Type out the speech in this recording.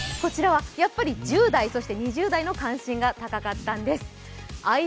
やっぱり１０代、２０代の関心が高かったんです。